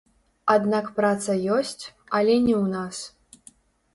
Аднак праца ёсць, але не ў нас.